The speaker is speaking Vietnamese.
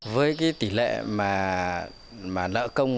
với cái tỷ lệ mà nợ công